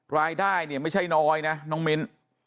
รายได้ไม่ใช่น้อยนะน้องมิน